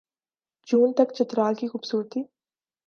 جون تک چترال کی خوبصورتی